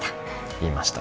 言いました。